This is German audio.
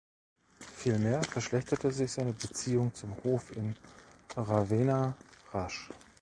Vielmehr verschlechterte sich seine Beziehung zum Hof in Ravenna rasch.